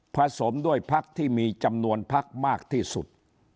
สมด้วยพักที่มีจำนวนพักมากที่สุด